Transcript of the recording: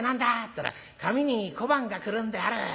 ったら『紙に小判がくるんである』。